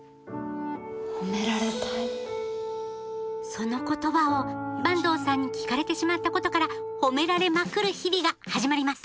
その言葉を坂東さんに聞かれてしまったことから「褒められまくる」日々が始まります！